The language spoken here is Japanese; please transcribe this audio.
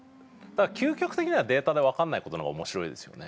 究極的にはデータで分かんないことの方が面白いですよね。